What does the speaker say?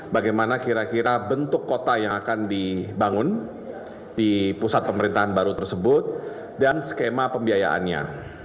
bagaimana kira kira bentuk kota yang akan dibangun di pusat pemerintahan baru tersebut dan skema pembiayaannya